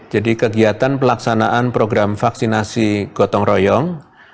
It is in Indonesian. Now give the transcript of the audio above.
jadi kegiatan pelaksanaan program vaksinasi gotong royong